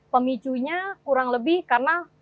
pemicunya kurang lebih karena